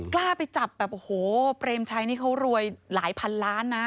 กล้าไปจับแบบโอ้โหเปรมชัยนี่เขารวยหลายพันล้านนะ